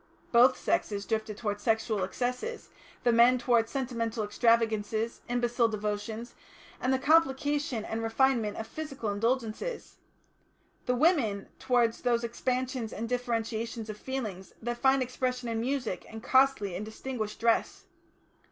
Both sexes drifted towards sexual excesses, the men towards sentimental extravagances, imbecile devotions, and the complication and refinement of physical indulgences; the women towards those expansions and differentiations of feeling that find expression in music and costly and distinguished dress.